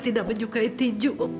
tidak menyukai tinju